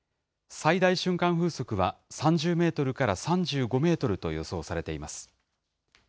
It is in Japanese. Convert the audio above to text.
最大瞬間風速は、３０メートルから３５メートルと予想されています。